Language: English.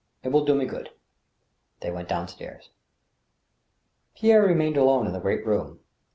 It will do me good." They went down stairs. Pierre remained alone in the great room.